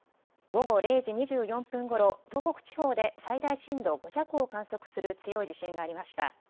午後０時２４分ごろ、東北地方で最大震度５弱を観測する強い地震がありました。